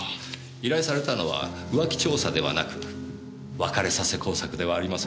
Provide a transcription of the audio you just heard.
依頼されたのは浮気調査ではなく別れさせ工作ではありませんか？